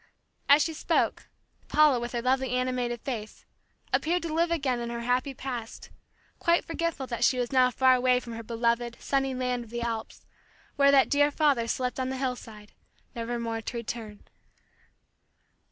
As she spoke, Paula with her lovely animated face, appeared to live again in her happy past, quite forgetful that she was now far away from her beloved, sunny land of the Alps, where that dear father slept on the hillside, nevermore to return.